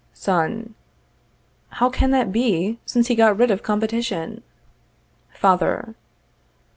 Son. How can that be, since he got rid of competition? _Father.